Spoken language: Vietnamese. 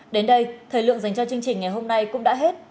đến đây thời lượng dành cho chương trình ngày hôm nay cũng đã hết